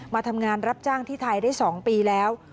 มาทำงานรับจ้างที่ไทยได้๒ปีแล้ว